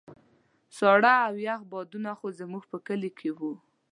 ساړه او يخ بادونه خو زموږ په کلي کې وو.